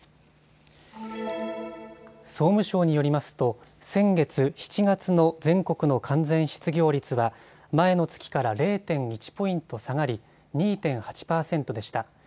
総務省によりますと先月７月の全国の完全失業率は前の月から０．１ポイント下がり２．８％でした。